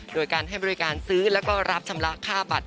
โดยการให้บริการซื้อแล้วก็รับชำระค่าบัตร